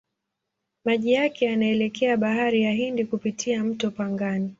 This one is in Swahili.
Maji yake yanaelekea Bahari ya Hindi kupitia mto Pangani.